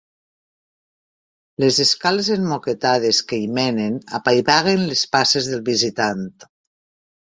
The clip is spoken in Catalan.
Les escales emmoquetades que hi menen apaivaguen les passes del visitant.